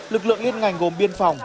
lực lượng liên ngành gồm biên phòng